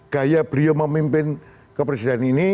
gaya beliau memimpin kepresiden ini